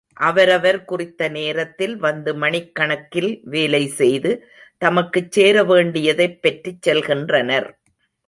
அவரவர் குறித்த நேரத்தில் வந்து மணிக்கணக்கில் வேலை செய்து தமக்குச் சேரவேண்டியதைப் பெற்றுச் செல்கின்றனர்.